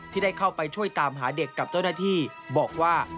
ที่ได้เข้าไปช่วยตามหาเด็กกับเจ้าหน้าที่บอกว่า